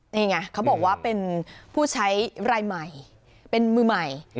นี่ไงเขาบอกว่าเป็นผู้ใช้รายใหม่เป็นมือใหม่